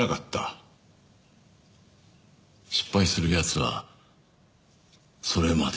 失敗する奴はそれまで。